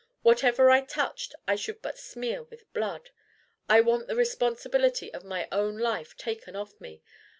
Whatever I touched I should but smear with blood. I want the responsibility of my own life taken off me.